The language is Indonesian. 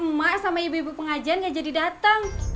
emak sama ibu ibu pengajian gak jadi datang